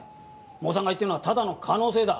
モーさんが言ってるのはただの可能性だ。